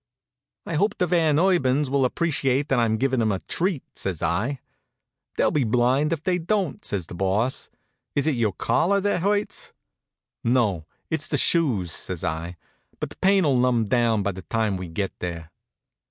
"I hope the Van Urbans will appreciate that I'm givin' 'em a treat," says I. "They'll be blind if they don't," says the Boss. "Is it your collar that hurts?" "No, it's the shoes," says I, "but the pain'll numb down by the time we get there."